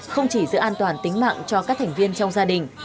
không chỉ giữ an toàn tính mạng cho các thành viên trong gia đình